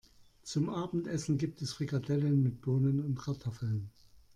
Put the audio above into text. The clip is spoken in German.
Zum Abendessen gibt es Frikadellen mit Bohnen und Kartoffeln.